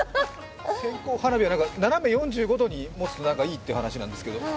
線香花火は斜め４５度に持つといいっていう話なんですけど。